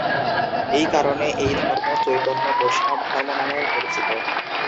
এই কারণে এই ধর্ম চৈতন্য বৈষ্ণবধর্ম নামেও পরিচিত।